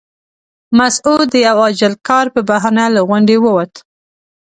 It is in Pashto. مسعود د یوه عاجل کار په بهانه له غونډې ووت.